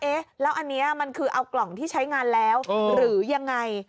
เอ๊ะแล้วอันนี้มันคือเอากล่องที่ใช้งานแล้วหรือยังไง